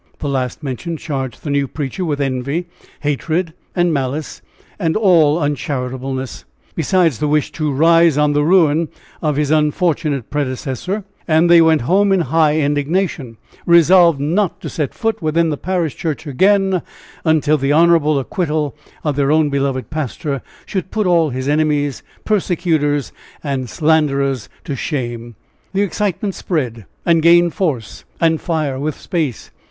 The last mentioned charged the new preacher with envy, hatred and malice, and all uncharitableness, besides the wish to rise on the ruin of his unfortunate predecessor, and they went home in high indignation, resolved not to set foot within the parish church again until the honorable acquittal of their own beloved pastor should put all his enemies, persecutors and slanderers to shame. The excitement spread and gained force and fire with space.